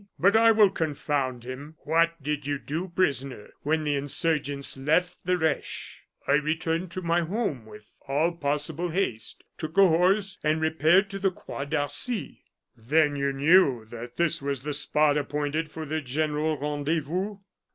But I will confound him. What did you do, prisoner, when the insurgents left the Reche?" "I returned to my home with all possible haste, took a horse and repaired to the Croix d'Arcy." "Then you knew that this was the spot appointed for the general rendezvous?"